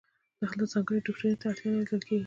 دلته ځانګړي دوکتورین ته اړتیا نه لیدل کیږي.